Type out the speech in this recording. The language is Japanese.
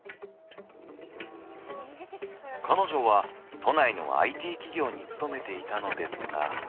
彼女は都内のＩＴ企業に勤めていたのですが。